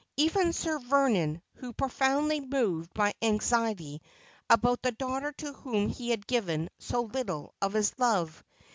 Even Sir Vernon was profoundly moved by anxiety about the daughter to whom he had given so little of his love.